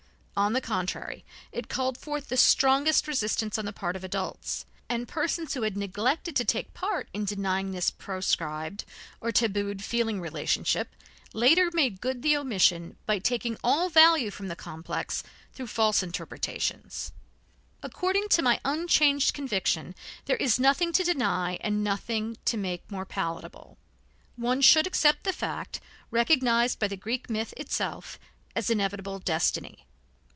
On the contrary, it called forth the strongest resistance on the part of adults; and persons who had neglected to take part in denying this proscribed or tabooed feeling relationship later made good the omission by taking all value from the complex through false interpretations. According to my unchanged conviction there is nothing to deny and nothing to make more palatable. One should accept the fact, recognized by the Greek myth itself, as inevitable destiny.